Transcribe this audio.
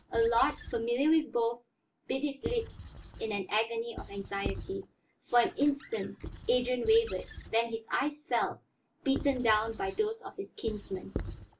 Allard, familiar with both, bit his lip in an agony of anxiety. For an instant Adrian wavered, then his eyes fell, beaten down by those of his kinsman.